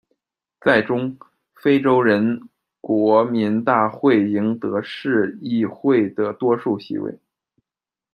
在中，非洲人国民大会赢得市议会的多数席位。